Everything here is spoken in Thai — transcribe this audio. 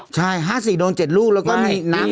โทษทีน้องโทษทีน้อง